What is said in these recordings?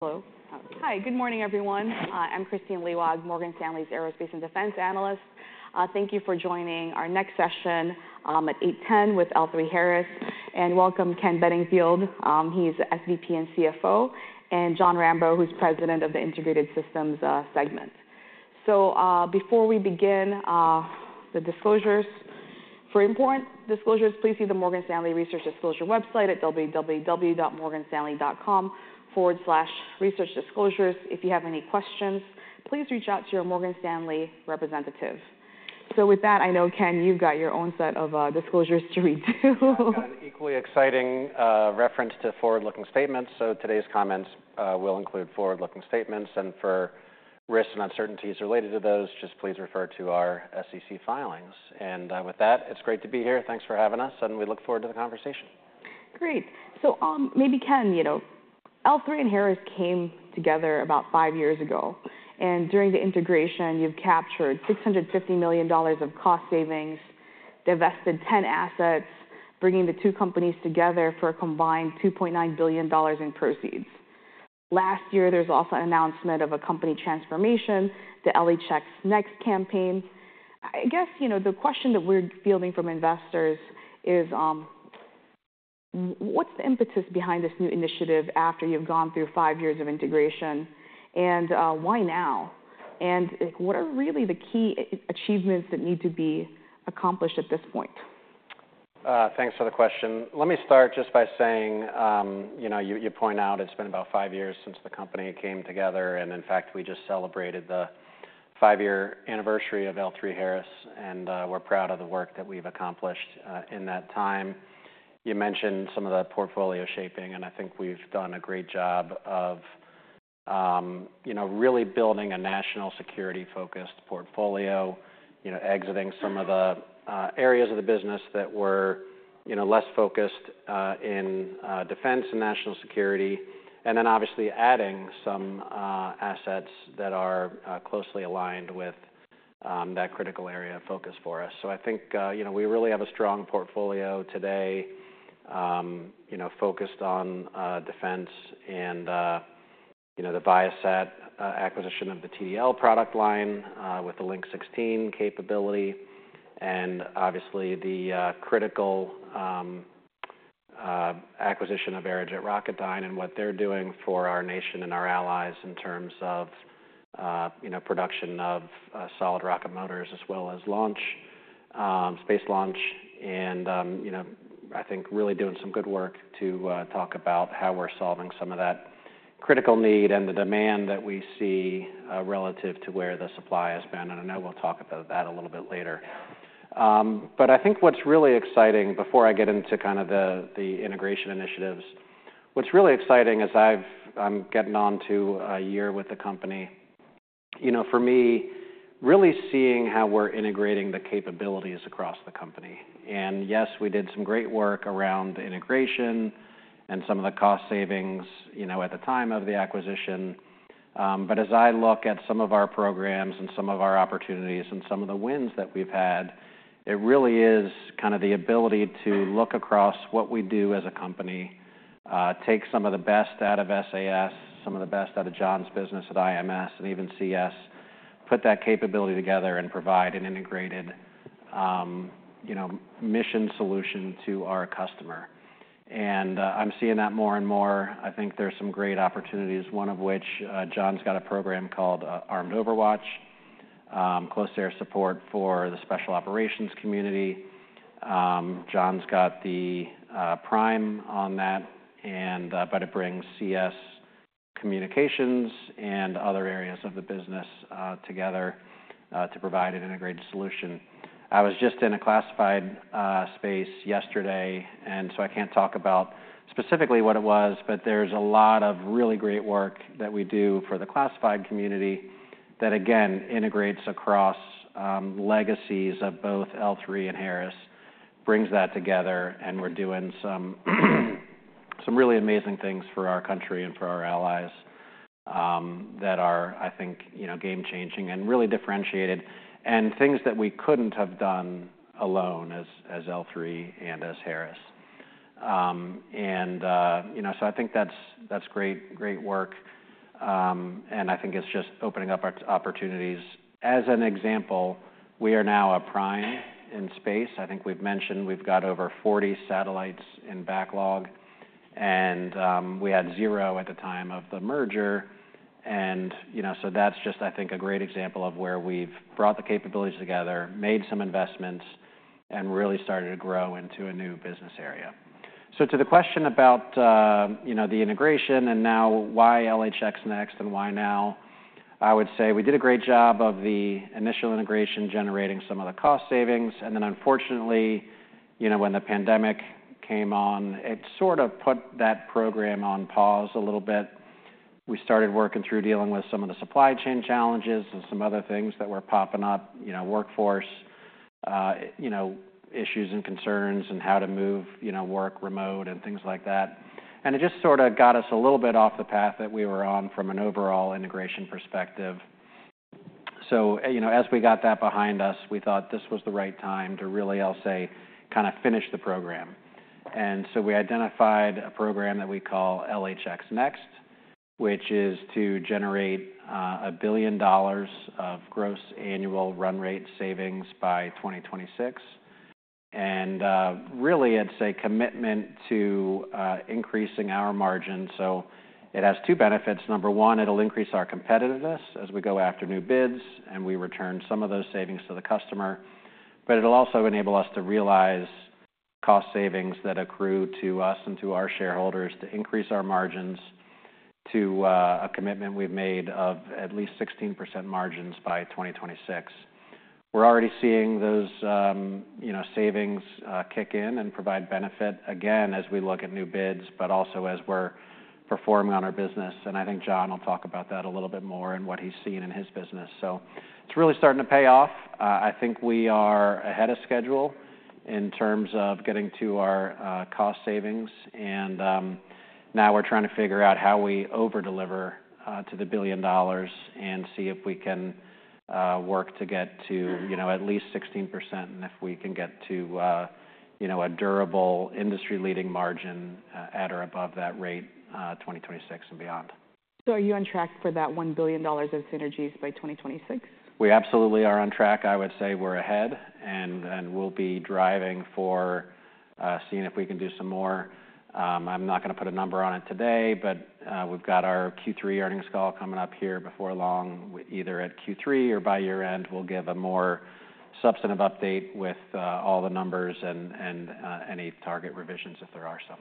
Hello. Hi, good morning, everyone. I'm Kristine Liwag, Morgan Stanley's Aerospace and Defense analyst. Thank you for joining our next session at 8:10 A.M. with L3Harris, and welcome, Ken Bedingfield. He's the SVP and CFO, and Jon Rambeau, who's President of the Integrated Mission Systems segment. So, before we begin the disclosures, for important disclosures, please see the Morgan Stanley Research Disclosure website at www.morganstanley.com/researchdisclosures. If you have any questions, please reach out to your Morgan Stanley representative. So with that, I know, Ken, you've got your own set of disclosures to read, too. Yeah, I've got an equally exciting reference to forward-looking statements. So today's comments will include forward-looking statements, and for risks and uncertainties related to those, just please refer to our SEC filings. With that, it's great to be here. Thanks for having us, and we look forward to the conversation. Great. So, maybe, Ken, you know, L3 and Harris came together about five years ago, and during the integration, you've captured $650 million of cost savings, divested 10 assets, bringing the two companies together for a combined $2.9 billion in proceeds. Last year, there was also an announcement of a company transformation, the LHX Next campaign. I guess, you know, the question that we're fielding from investors is, what's the impetus behind this new initiative after you've gone through five years of integration, and why now? And, like, what are really the key achievements that need to be accomplished at this point? Thanks for the question. Let me start just by saying, you know, you point out it's been about five years since the company came together, and in fact, we just celebrated the five-year anniversary of L3Harris, and we're proud of the work that we've accomplished in that time. You mentioned some of the portfolio shaping, and I think we've done a great job of, you know, really building a national security-focused portfolio, you know, exiting some of the areas of the business that were, you know, less focused in defense and national security, and then obviously adding some assets that are closely aligned with that critical area of focus for us. So I think, you know, we really have a strong portfolio today, you know, focused on defense and, you know, the Viasat acquisition of the TDL product line with the Link 16 capability, and obviously the critical acquisition of Aerojet Rocketdyne and what they're doing for our nation and our allies in terms of, you know, production of solid rocket motors, as well as launch, space launch. And, you know, I think really doing some good work to talk about how we're solving some of that critical need and the demand that we see relative to where the supply has been, and I know we'll talk about that a little bit later. But I think what's really exciting, before I get into kind of the integration initiatives, what's really exciting as I'm getting on to a year with the company, you know, for me, really seeing how we're integrating the capabilities across the company. And yes, we did some great work around the integration and some of the cost savings, you know, at the time of the acquisition. But as I look at some of our programs and some of our opportunities and some of the wins that we've had, it really is kind of the ability to look across what we do as a company, take some of the best out of SAS, some of the best out of Jon's business at IMS and even CS, put that capability together and provide an integrated, you know, mission solution to our customer. I'm seeing that more and more. I think there's some great opportunities, one of which Jon's got a program called Armed Overwatch, close air support for the special operations community. Jon's got the prime on that, but it brings CS communications and other areas of the business together to provide an integrated solution. I was just in a classified space yesterday, and so I can't talk about specifically what it was, but there's a lot of really great work that we do for the classified community that, again, integrates across legacies of both L3 and Harris, brings that together, and we're doing some really amazing things for our country and for our allies, that are, I think, you know, game-changing and really differentiated, and things that we couldn't have done alone as L3 and as Harris, and you know, so I think that's great work, and I think it's just opening up our opportunities. As an example, we are now a prime in space. I think we've mentioned we've got over 40 satellites in backlog, and we had zero at the time of the merger. You know, so that's just, I think, a great example of where we've brought the capabilities together, made some investments, and really started to grow into a new business area. To the question about, you know, the integration and now why LHX Next and why now, I would say we did a great job of the initial integration, generating some of the cost savings. Then, unfortunately, you know, when the pandemic came on, it sort of put that program on pause a little bit. We started working through dealing with some of the supply chain challenges and some other things that were popping up, you know, workforce, you know, issues and concerns and how to move, you know, work remote and things like that. And it just sort of got us a little bit off the path that we were on from an overall integration perspective... So, you know, as we got that behind us, we thought this was the right time to really, I'll say, kind of finish the program. And so we identified a program that we call LHX Next, which is to generate $1 billion of gross annual run rate savings by 2026. And, really, it's a commitment to increasing our margin. So it has two benefits. Number one, it'll increase our competitiveness as we go after new bids, and we return some of those savings to the customer. But it'll also enable us to realize cost savings that accrue to us and to our shareholders to increase our margins to a commitment we've made of at least 16% margins by 2026. We're already seeing those, you know, savings, kick in and provide benefit again as we look at new bids, but also as we're performing on our business. I think Jon will talk about that a little bit more and what he's seen in his business. It's really starting to pay off. I think we are ahead of schedule in terms of getting to our, cost savings. Now we're trying to figure out how we over-deliver, to the $1 billion and see if we can, work to get to, you know, at least 16% and if we can get to, you know, a durable industry-leading margin, at or above that rate, 2026 and beyond. So are you on track for that $1 billion of synergies by 2026? We absolutely are on track. I would say we're ahead, and we'll be driving for seeing if we can do some more. I'm not gonna put a number on it today, but we've got our Q3 earnings call coming up here before long. Either at Q3 or by year-end, we'll give a more substantive update with all the numbers and any target revisions if there are some.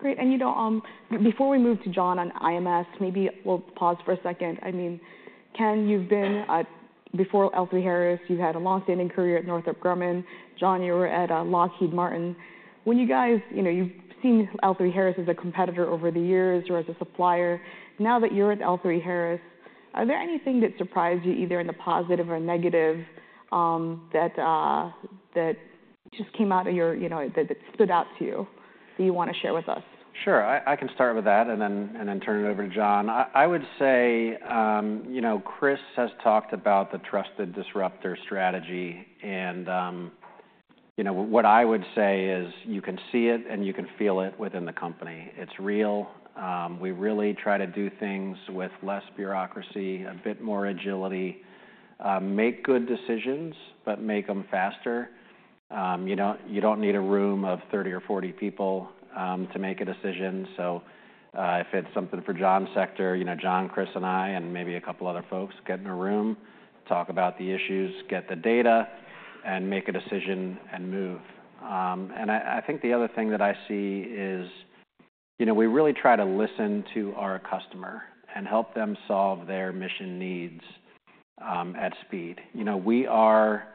Great. And, you know, before we move to Jon on IMS, maybe we'll pause for a second. I mean, Ken, before L3Harris, you had a long-standing career at Northrop Grumman. Jon, you were at Lockheed Martin. When you guys... You know, you've seen L3Harris as a competitor over the years or as a supplier. Now that you're at L3Harris, are there anything that surprised you, either in the positive or negative, that just came out of your, you know, that stood out to you, that you want to share with us? Sure, I can start with that and then turn it over to Jon. I would say, you know, Chris has talked about the trusted disruptor strategy, and, you know, what I would say is you can see it and you can feel it within the company. It's real. We really try to do things with less bureaucracy, a bit more agility. Make good decisions, but make them faster. You don't need a room of 30 or 40 people to make a decision. So, if it's something for Jon's sector, you know, Jon, Chris, and I, and maybe a couple other folks get in a room, talk about the issues, get the data, and make a decision, and move. and I, I think the other thing that I see is, you know, we really try to listen to our customer and help them solve their mission needs, at speed. You know, we are,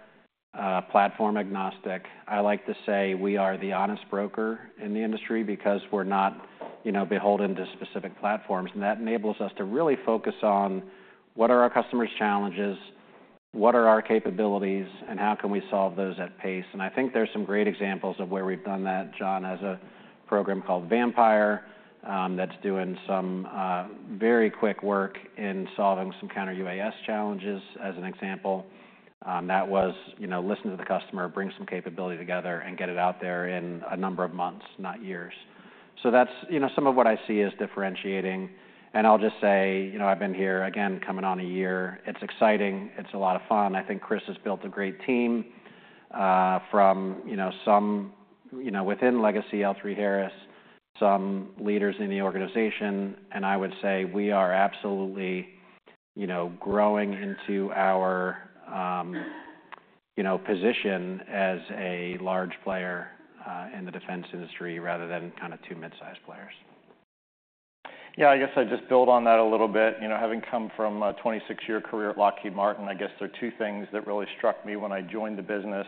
platform agnostic. I like to say we are the honest broker in the industry because we're not, you know, beholden to specific platforms, and that enables us to really focus on: What are our customers' challenges? What are our capabilities, and how can we solve those at pace? And I think there's some great examples of where we've done that. Jon has a program called VAMPIRE, that's doing some, very quick work in solving some counter-UAS challenges, as an example. that was, you know, listen to the customer, bring some capability together, and get it out there in a number of months, not years. So that's, you know, some of what I see as differentiating. And I'll just say, you know, I've been here, again, coming on a year. It's exciting. It's a lot of fun. I think Chris has built a great team from, you know, some, you know, within legacy L3Harris, some leaders in the organization. And I would say we are absolutely, you know, growing into our, you know, position as a large player in the defense industry rather than kind of two mid-sized players. Yeah, I guess I'd just build on that a little bit. You know, having come from a 26-year career at Lockheed Martin, I guess there are two things that really struck me when I joined the business.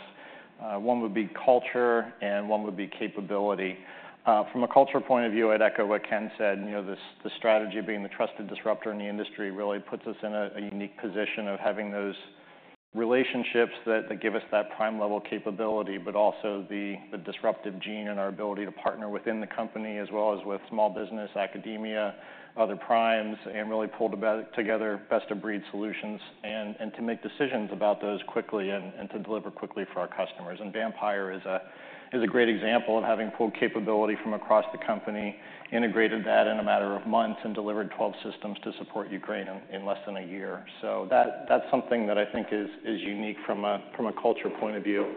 One would be culture, and one would be capability. From a culture point of view, I'd echo what Ken said. You know, the strategy being the trusted disruptor in the industry really puts us in a unique position of having those relationships that give us that prime level capability, but also the disruptive gene and our ability to partner within the company, as well as with small business, academia, other primes, and really pull together best-of-breed solutions, and to make decisions about those quickly and to deliver quickly for our customers. VAMPIRE is a great example of having pulled capability from across the company, integrated that in a matter of months, and delivered 12 systems to support Ukraine in less than a year. That's something that I think is unique from a culture point of view.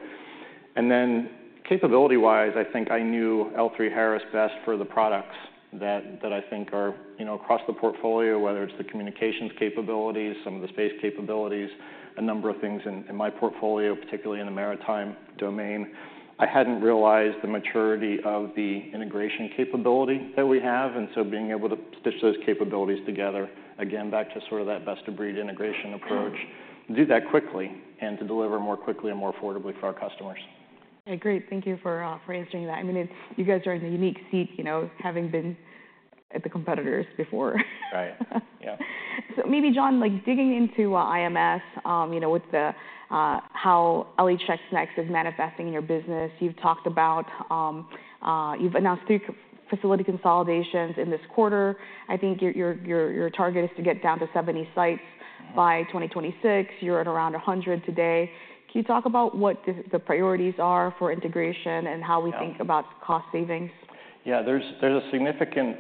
Then capability-wise, I think I knew L3Harris best for the products that I think are, you know, across the portfolio, whether it's the communications capabilities, some of the space capabilities, a number of things in my portfolio, particularly in the maritime domain. I hadn't realized the maturity of the integration capability that we have, and so being able to stitch those capabilities together, again, back to sort of that best-of-breed integration approach, do that quickly, and to deliver more quickly and more affordably for our customers. Okay, great. Thank you for answering that. I mean, it's you guys are in a unique seat, you know, having been at the competitors before. Right. Yeah. Maybe, Jon, like, digging into IMS, you know, with the how LHX Next is manifesting your business. You've announced three facility consolidations in this quarter. I think your target is to get down to 70 sites by 2026. You're at around 100 today. Can you talk about what the priorities are for integration and how we think about cost savings? Yeah, there's a significant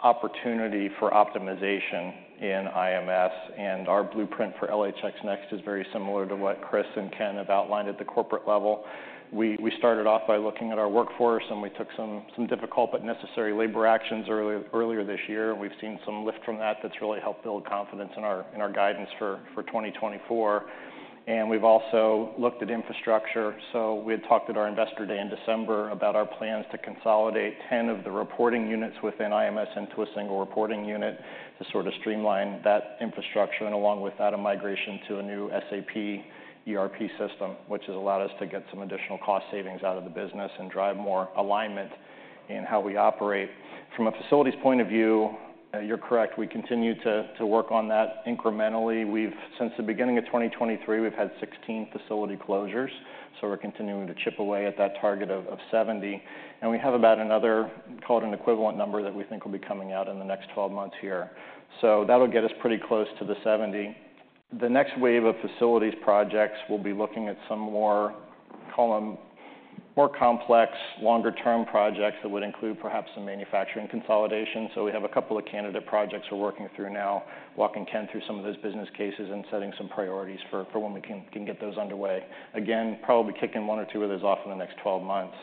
opportunity for optimization in IMS, and our blueprint for LHX Next is very similar to what Chris and Ken have outlined at the corporate level. We started off by looking at our workforce, and we took some difficult but necessary labor actions earlier this year, and we've seen some lift from that that's really helped build confidence in our guidance for 2024. And we've also looked at infrastructure. So we had talked at our Investor Day in December about our plans to consolidate 10 of the reporting units within IMS into a single reporting unit to sort of streamline that infrastructure, and along with that, a migration to a new SAP ERP system, which has allowed us to get some additional cost savings out of the business and drive more alignment in how we operate. From a facilities point of view, you're correct, we continue to work on that incrementally. We've had sixteen facility closures since the beginning of 2023, so we're continuing to chip away at that target of seventy. And we have about another, call it an equivalent number, that we think will be coming out in the next twelve months here. So that'll get us pretty close to the seventy. The next wave of facilities projects will be looking at some more, call them, more complex, longer-term projects that would include perhaps some manufacturing consolidation. So we have a couple of candidate projects we're working through now, walking Ken through some of those business cases and setting some priorities for when we can get those underway. Again, probably kicking one or two of those off in the next twelve months.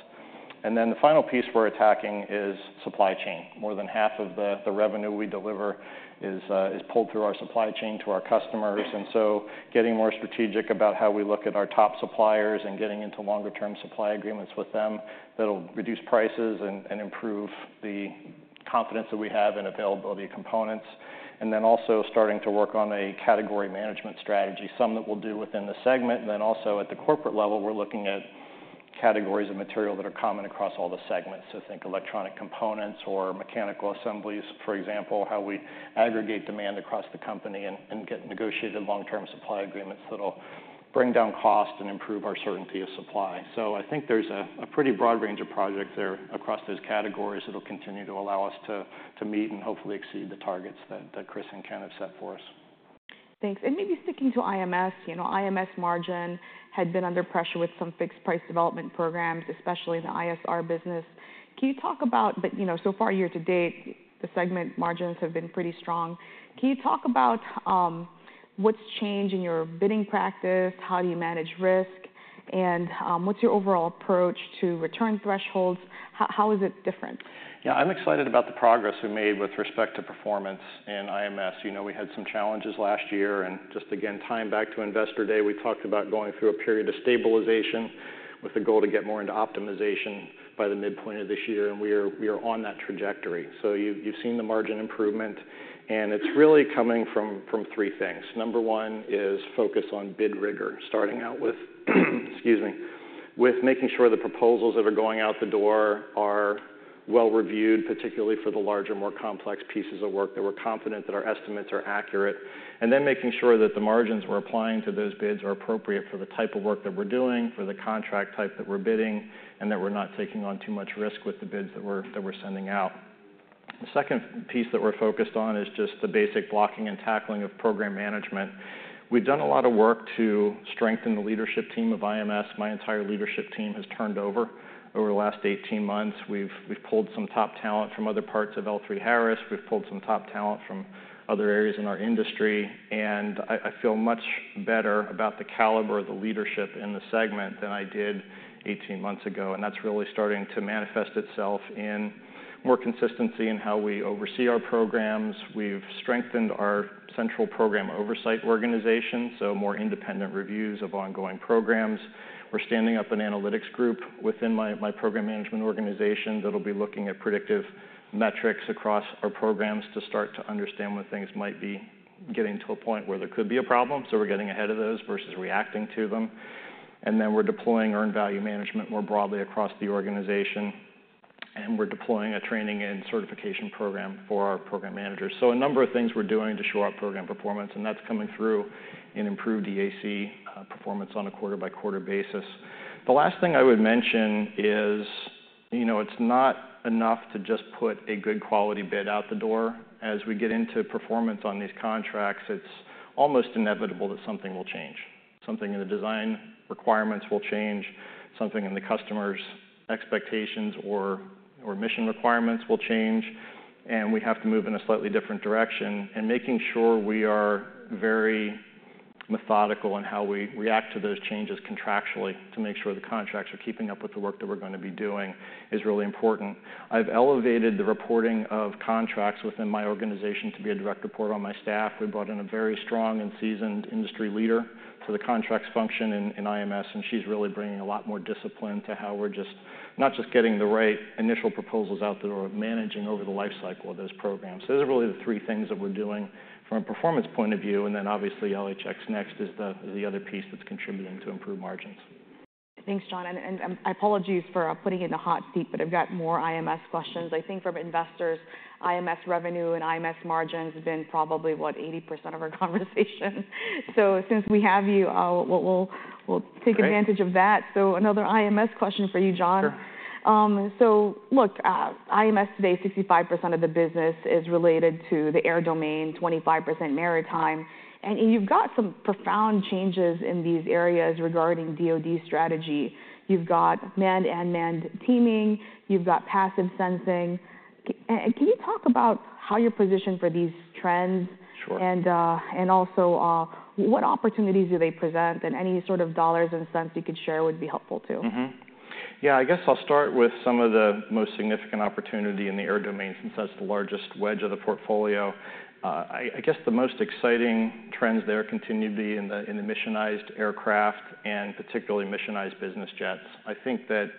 And then the final piece we're attacking is supply chain. More than half of the revenue we deliver is pulled through our supply chain to our customers, and so getting more strategic about how we look at our top suppliers and getting into longer term supply agreements with them, that'll reduce prices and improve the confidence that we have in availability of components. And then also starting to work on a category management strategy, some that we'll do within the segment. And then also at the corporate level, we're looking at categories of material that are common across all the segments. So think electronic components or mechanical assemblies, for example, how we aggregate demand across the company and get negotiated long-term supply agreements that'll bring down cost and improve our certainty of supply. So I think there's a pretty broad range of projects there across those categories that'll continue to allow us to meet and hopefully exceed the targets that Chris and Ken have set for us. Thanks. And maybe sticking to IMS. You know, IMS margin had been under pressure with some fixed-price development programs, especially in the ISR business. Can you talk about... But, you know, so far, year to date, the segment margins have been pretty strong. Can you talk about what's changed in your bidding practice? How do you manage risk? And what's your overall approach to return thresholds? How is it different? Yeah, I'm excited about the progress we made with respect to performance in IMS. You know, we had some challenges last year, and just again, tying back to Investor Day, we talked about going through a period of stabilization with the goal to get more into optimization by the midpoint of this year, and we are, we are on that trajectory. So you've, you've seen the margin improvement, and it's really coming from, from three things. Number one is focus on bid rigor, starting out with, excuse me, with making sure the proposals that are going out the door are well-reviewed, particularly for the larger, more complex pieces of work, that we're confident that our estimates are accurate. And then making sure that the margins we're applying to those bids are appropriate for the type of work that we're doing, for the contract type that we're bidding, and that we're not taking on too much risk with the bids that we're sending out. The second piece that we're focused on is just the basic blocking and tackling of program management. We've done a lot of work to strengthen the leadership team of IMS. My entire leadership team has turned over the last eighteen months. We've pulled some top talent from other parts of L3Harris. We've pulled some top talent from other areas in our industry, and I feel much better about the caliber of the leadership in the segment than I did eighteen months ago, and that's really starting to manifest itself in more consistency in how we oversee our programs. We've strengthened our central program oversight organization, so more independent reviews of ongoing programs. We're standing up an analytics group within my program management organization that'll be looking at predictive metrics across our programs to start to understand when things might be getting to a point where there could be a problem, so we're getting ahead of those versus reacting to them. And then we're deploying Earned Value Management more broadly across the organization, and we're deploying a training and certification program for our program managers. So a number of things we're doing to show our program performance, and that's coming through in improved EAC performance on a quarter-by-quarter basis. The last thing I would mention is, you know, it's not enough to just put a good quality bid out the door. As we get into performance on these contracts, it's almost inevitable that something will change. Something in the design requirements will change, something in the customer's expectations or mission requirements will change, and we have to move in a slightly different direction. And making sure we are very methodical in how we react to those changes contractually, to make sure the contracts are keeping up with the work that we're gonna be doing, is really important. I've elevated the reporting of contracts within my organization to be a direct report on my staff. We brought in a very strong and seasoned industry leader for the contracts function in IMS, and she's really bringing a lot more discipline to how we're not just getting the right initial proposals out the door, managing over the life cycle of those programs. Those are really the three things that we're doing from a performance point of view, and then obviously, LHX Next is the other piece that's contributing to improved margins. Thanks, Jon, apologies for putting you in the hot seat, but I've got more IMS questions. I think from investors, IMS revenue and IMS margins have been probably, what? 80% of our conversation... so since we have you, we'll take advantage of that. Great. So, another IMS question for you, Jon. Sure. So look, IMS today, 65% of the business is related to the air domain, 25% maritime. And you've got some profound changes in these areas regarding DoD strategy. You've got manned-unmanned teaming, you've got passive sensing. And can you talk about how you're positioned for these trends? Sure. And also, what opportunities do they present? And any sort of dollars and cents you could share would be helpful, too. Mm-hmm. Yeah, I guess I'll start with some of the most significant opportunity in the air domain, since that's the largest wedge of the portfolio. I guess the most exciting trends there continue to be in the missionized aircraft and particularly missionized business jets. I think that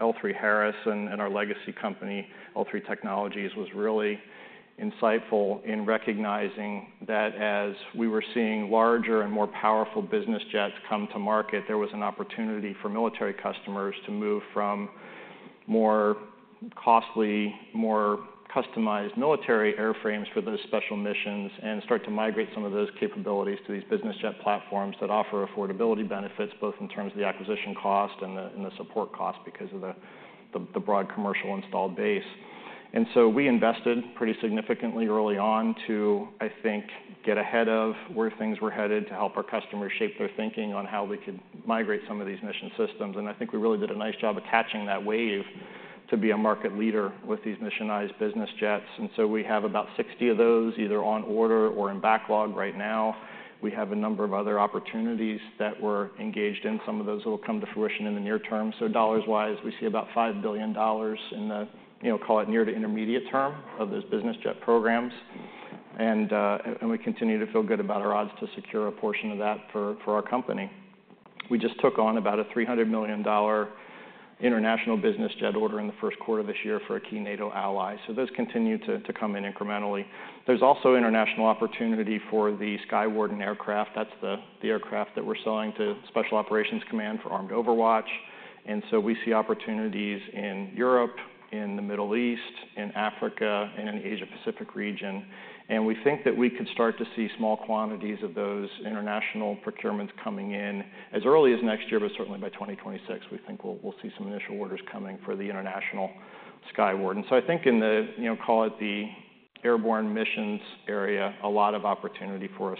L3Harris and our legacy company, L3 Technologies, was really insightful in recognizing that as we were seeing larger and more powerful business jets come to market, there was an opportunity for military customers to move from more costly, more customized military airframes for those special missions and start to migrate some of those capabilities to these business jet platforms that offer affordability benefits, both in terms of the acquisition cost and the support cost, because of the broad commercial installed base. And so we invested pretty significantly early on to, I think, get ahead of where things were headed, to help our customers shape their thinking on how we could migrate some of these mission systems. And I think we really did a nice job of catching that wave to be a market leader with these missionized business jets. And so we have about 60 of those, either on order or in backlog right now. We have a number of other opportunities that we're engaged in. Some of those will come to fruition in the near term. So dollars-wise, we see about $5 billion in the, you know, call it near to intermediate term of those business jet programs. And and we continue to feel good about our odds to secure a portion of that for, for our company. We just took on about $300 million international business jet order in the first quarter of this year for a key NATO ally, so those continue to come in incrementally. There's also international opportunity for the Skywarden aircraft. That's the aircraft that we're selling to Special Operations Command for Armed Overwatch. And so we see opportunities in Europe, in the Middle East, in Africa, and in the Asia-Pacific region. And we think that we could start to see small quantities of those international procurements coming in as early as next year, but certainly by 2026, we think we'll see some initial orders coming for the international Skywarden. So I think in the, you know, call it the airborne missions area, a lot of opportunity for us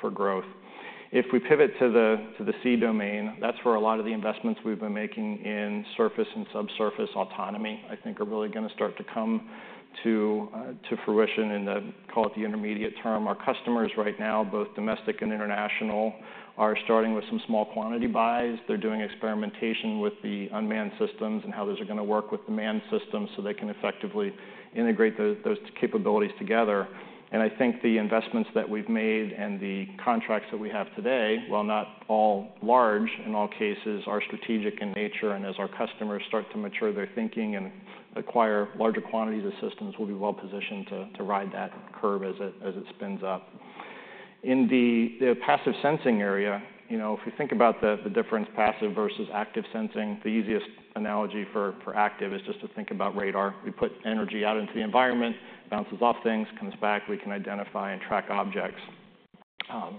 for growth. If we pivot to the sea domain, that's where a lot of the investments we've been making in surface and subsurface autonomy, I think are really gonna start to come to fruition in the, call it the intermediate term. Our customers right now, both domestic and international, are starting with some small quantity buys. They're doing experimentation with the unmanned systems and how those are gonna work with the manned systems, so they can effectively integrate those capabilities together. And I think the investments that we've made and the contracts that we have today, while not all large, in all cases are strategic in nature. And as our customers start to mature their thinking and acquire larger quantities of systems, we'll be well positioned to ride that curve as it spins up. In the passive sensing area, you know, if you think about the difference, passive versus active sensing, the easiest analogy for active is just to think about radar. We put energy out into the environment, bounces off things, comes back, we can identify and track objects.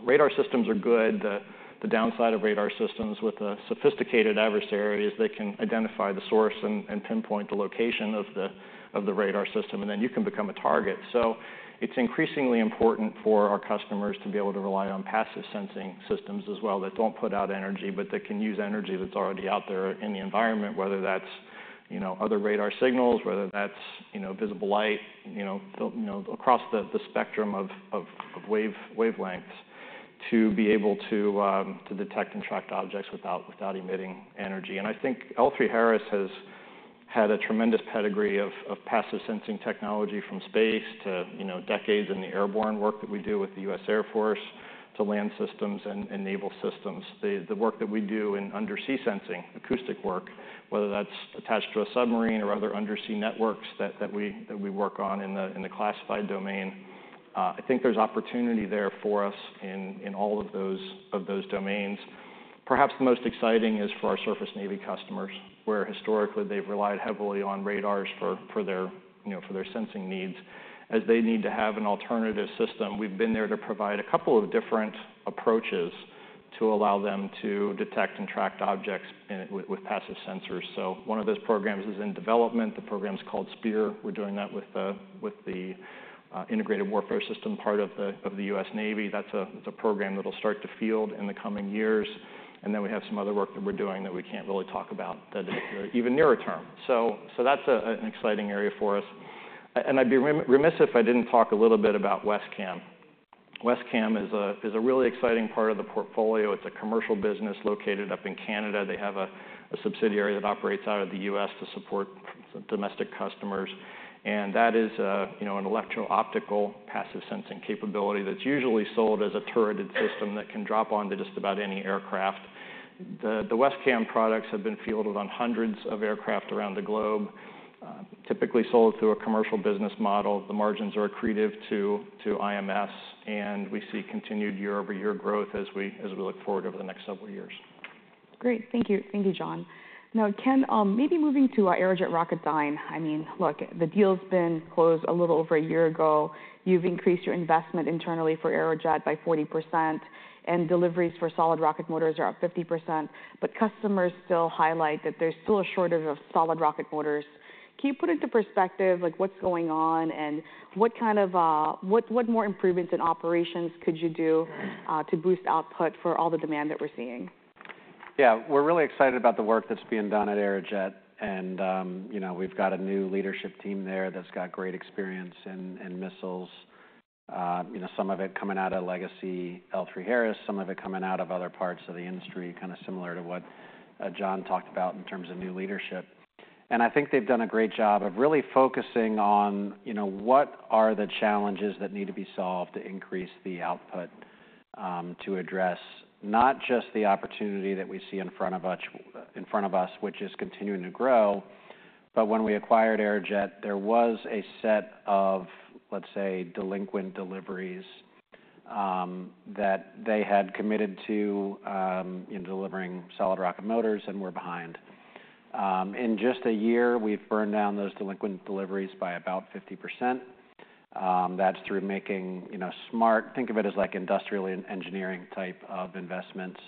Radar systems are good. The downside of radar systems with a sophisticated adversary is they can identify the source and pinpoint the location of the radar system, and then you can become a target. So it's increasingly important for our customers to be able to rely on passive sensing systems as well, that don't put out energy, but that can use energy that's already out there in the environment, whether that's, you know, other radar signals, whether that's, you know, visible light, you know, across the spectrum of wavelengths, to be able to detect and track objects without emitting energy. And I think L3Harris has had a tremendous pedigree of passive sensing technology, from space to, you know, decades in the airborne work that we do with the U.S. Air Force, to land systems and naval systems. The work that we do in undersea sensing, acoustic work, whether that's attached to a submarine or other undersea networks that we work on in the classified domain, I think there's opportunity there for us in all of those domains. Perhaps the most exciting is for our surface Navy customers, where historically they've relied heavily on radars for their, you know, for their sensing needs. As they need to have an alternative system, we've been there to provide a couple of different approaches to allow them to detect and track objects with passive sensors. So one of those programs is in development. The program's called SPEIR. We're doing that with the integrated warfare system, part of the U.S. Navy. That's the program that'll start to field in the coming years. And then we have some other work that we're doing that we can't really talk about, that is even nearer term. So that's an exciting area for us. And I'd be remiss if I didn't talk a little bit about Wescam. Wescam is a really exciting part of the portfolio. It's a commercial business located up in Canada. They have a subsidiary that operates out of the U.S. to support some domestic customers. And that is, you know, an electro-optical, passive sensing capability that's usually sold as a turreted system that can drop onto just about any aircraft. The Wescam products have been fielded on hundreds of aircraft around the globe, typically sold through a commercial business model. The margins are accretive to IMS, and we see continued year-over-year growth as we look forward over the next several years.... Great. Thank you. Thank you, Jon. Now, Ken, maybe moving to our Aerojet Rocketdyne. I mean, look, the deal's been closed a little over a year ago. You've increased your investment internally for Aerojet by 40%, and deliveries for solid rocket motors are up 50%. But customers still highlight that there's still a shortage of solid rocket motors. Can you put into perspective, like, what's going on, and what kind of, what more improvements in operations could you do, to boost output for all the demand that we're seeing? Yeah, we're really excited about the work that's being done at Aerojet, and, you know, we've got a new leadership team there that's got great experience in missiles. You know, some of it coming out of legacy L3Harris, some of it coming out of other parts of the industry, kind of similar to what Jon talked about in terms of new leadership. And I think they've done a great job of really focusing on, you know, what are the challenges that need to be solved to increase the output, to address not just the opportunity that we see in front of us, which is continuing to grow. But when we acquired Aerojet, there was a set of, let's say, delinquent deliveries, that they had committed to, in delivering solid rocket motors and were behind. In just a year, we've burned down those delinquent deliveries by about 50%. That's through making, you know, smart. Think of it as like industrial engineering type of investments.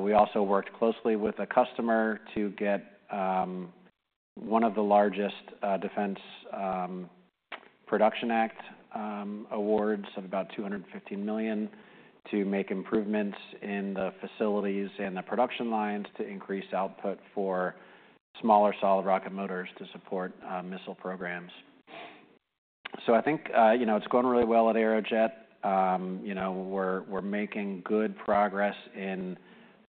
We also worked closely with a customer to get one of the largest Defense Production Act awards of about $250 million to make improvements in the facilities and the production lines to increase output for smaller solid rocket motors to support missile programs. So I think, you know, it's going really well at Aerojet. You know, we're making good progress in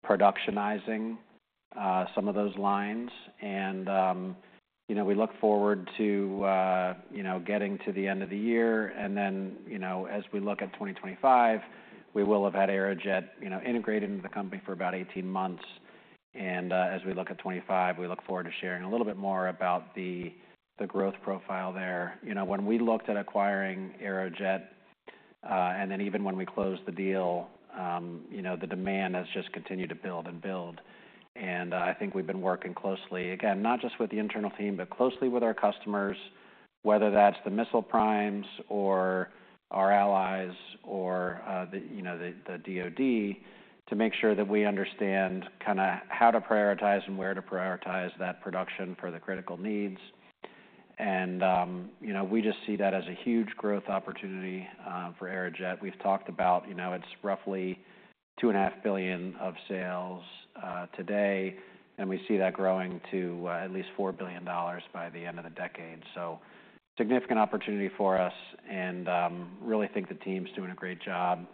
productionizing some of those lines. And you know, we look forward to you know, getting to the end of the year. And then, you know, as we look at 2025, we will have had Aerojet, you know, integrated into the company for about 18 months. And, as we look at 2025, we look forward to sharing a little bit more about the growth profile there. You know, when we looked at acquiring Aerojet, and then even when we closed the deal, you know, the demand has just continued to build and build. And, I think we've been working closely, again, not just with the internal team, but closely with our customers, whether that's the missile primes or our allies or, you know, the DoD, to make sure that we understand kind of how to prioritize and where to prioritize that production for the critical needs. And, you know, we just see that as a huge growth opportunity, for Aerojet. We've talked about, you know, it's roughly $2.5 billion of sales today, and we see that growing to at least $4 billion by the end of the decade. So significant opportunity for us, and really think the team's doing a great job.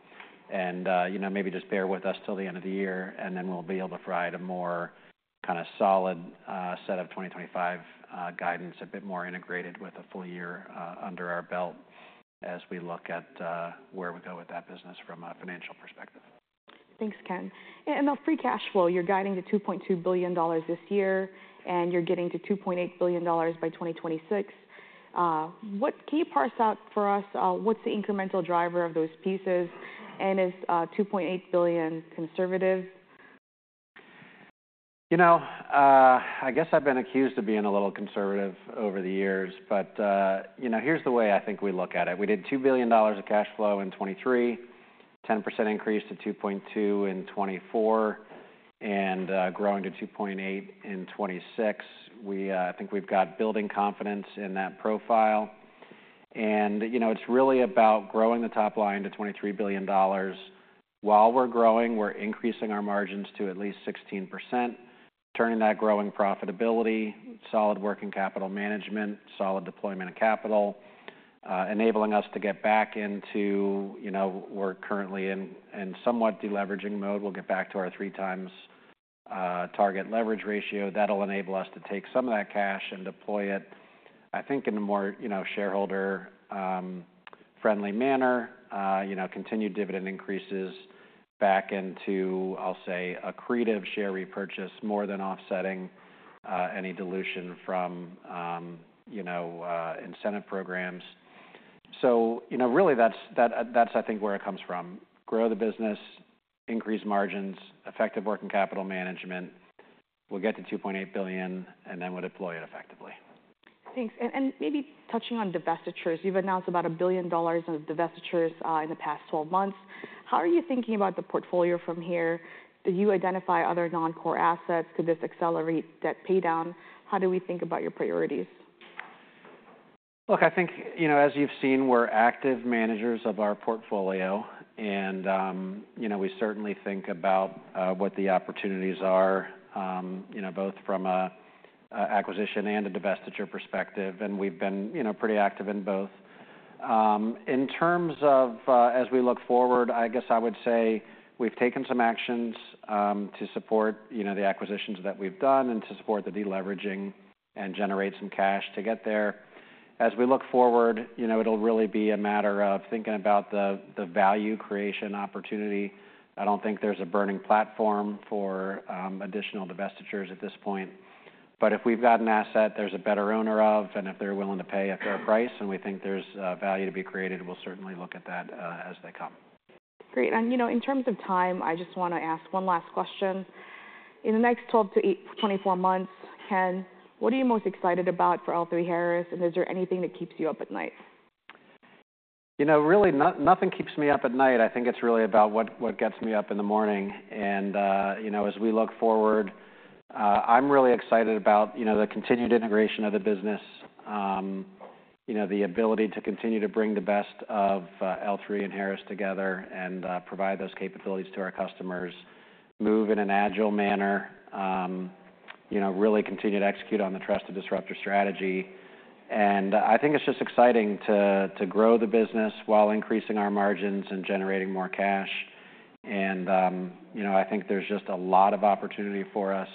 And you know, maybe just bear with us till the end of the year, and then we'll be able to provide a more kind of solid set of 2025 guidance, a bit more integrated with a full year under our belt as we look at where we go with that business from a financial perspective. Thanks, Ken. And on free cash flow, you're guiding to $2.2 billion this year, and you're getting to $2.8 billion by 2026. What key parts stand out for us, what's the incremental driver of those pieces, and is $2.8 billion conservative? You know, I guess I've been accused of being a little conservative over the years, but, you know, here's the way I think we look at it. We did $2 billion of cash flow in 2023, 10% increase to $2.2 billion in 2024, and growing to $2.8 billion in 2026. I think we've got building confidence in that profile. And, you know, it's really about growing the top line to $23 billion. While we're growing, we're increasing our margins to at least 16%, turning that growing profitability, solid working capital management, solid deployment of capital, enabling us to get back into, you know. We're currently in somewhat deleveraging mode. We'll get back to our three times target leverage ratio. That'll enable us to take some of that cash and deploy it, I think, in a more, you know, shareholder friendly manner. You know, continued dividend increases back into, I'll say, accretive share repurchase, more than offsetting any dilution from, you know, incentive programs. So, you know, really, that's, I think, where it comes from. Grow the business, increase margins, effective working capital management. We'll get to $2.8 billion, and then we'll deploy it effectively. Thanks. And maybe touching on divestitures, you've announced about $1 billion of divestitures in the past 12 months. How are you thinking about the portfolio from here? Do you identify other non-core assets? Could this accelerate debt paydown? How do we think about your priorities? Look, I think, you know, as you've seen, we're active managers of our portfolio, and, you know, we certainly think about what the opportunities are, you know, both from a acquisition and a divestiture perspective, and we've been, you know, pretty active in both. In terms of, as we look forward, I guess I would say we've taken some actions to support, you know, the acquisitions that we've done and to support the deleveraging and generate some cash to get there. As we look forward, you know, it'll really be a matter of thinking about the value creation opportunity. I don't think there's a burning platform for additional divestitures at this point. But if we've got an asset there's a better owner of, and if they're willing to pay a fair price, and we think there's value to be created, we'll certainly look at that, as they come. Great. You know, in terms of time, I just wanna ask one last question. In the next twelve to twenty-four months, Ken, what are you most excited about for L3Harris, and is there anything that keeps you up at night? You know, really, nothing keeps me up at night. I think it's really about what gets me up in the morning. And, you know, as we look forward, I'm really excited about, you know, the continued integration of the business. You know, the ability to continue to bring the best of L3 and Harris together and provide those capabilities to our customers, move in an agile manner, you know, really continue to execute on the trusted disruptor strategy. And I think it's just exciting to grow the business while increasing our margins and generating more cash. And, you know, I think there's just a lot of opportunity for us,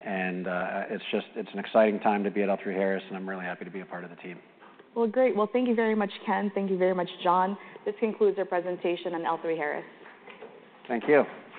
and it's just an exciting time to be at L3Harris, and I'm really happy to be a part of the team. Great. Thank you very much, Ken. Thank you very much, Jon. This concludes our presentation on L3Harris. Thank you.